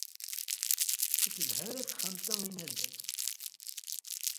Ur telha ara texxamt-a i nadam.